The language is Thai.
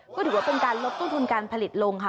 ก็ถือว่าเป็นการลดต้นทุนการผลิตลงค่ะ